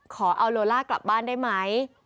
ขอเอาโลล่ากลับบ้านได้ไหม